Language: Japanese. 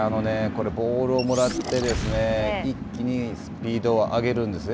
ボールをもらって一気にスピードを上げるんですね。